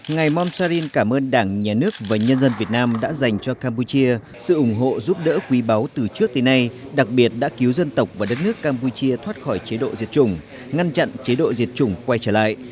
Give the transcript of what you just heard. ngài monsarin cảm ơn đảng nhà nước và nhân dân việt nam đã dành cho campuchia sự ủng hộ giúp đỡ quý báu từ trước tới nay đặc biệt đã cứu dân tộc và đất nước campuchia thoát khỏi chế độ diệt chủng ngăn chặn chế độ diệt chủng quay trở lại